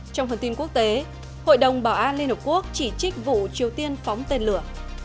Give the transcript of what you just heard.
trong phần tin quốc tế hội đồng bảo an liên hợp quốc chỉ trích vụ triều tiên phóng tên lửa